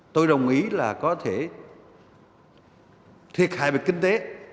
tôi đồng ý là có thể thiệt hại về kinh tế